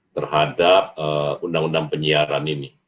terhadap undang undang penyiaran ini